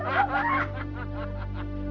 kak mansyur tunggu kak